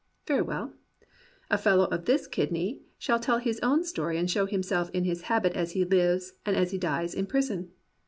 Very well, a fellow of this kidney shall tell his own story and show himself in his habit as he lives, and as he dies in prison.